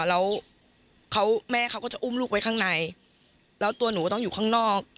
แล้วแม่เขาก็จะอุ้มลูกไว้ข้างในแล้วตัวหนูก็ต้องอยู่ข้างนอก